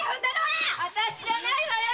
私じゃないわよ。